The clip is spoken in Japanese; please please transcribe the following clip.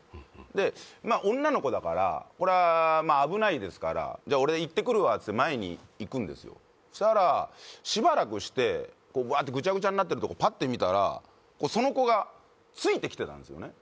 で女の子だからこれまっ危ないですからじゃ俺行ってくるわっつって前に行くんですよそしたらしばらくしてグチャグチャになってるとこパッて見たらその子がついてきてたんすよね